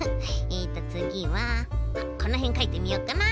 えっとつぎはこのへんかいてみようかな。